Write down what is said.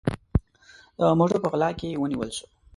د موټروپه غلا کې ونیول سو